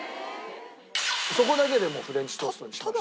そこだけでフレンチトーストにしました。